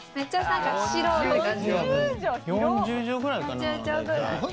４０帖ぐらいかな。